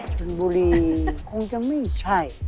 ชนบุรีคงจะไม่ใช่